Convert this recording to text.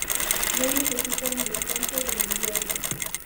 No necesita un descanso de invierno.